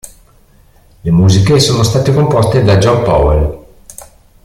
Le musiche sono state composte da John Powell.